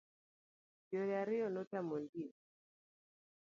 Yore ariyo notamo ondiek.